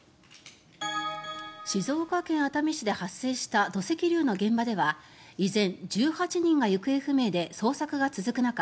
静岡県熱海市で発生した土石流の現場では以前、１８人が行方不明で捜索が続く中